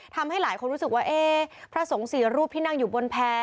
ทำให้หลายคนรู้สึกว่าเอ๊ะพระสงฆ์สี่รูปที่นั่งอยู่บนแพร่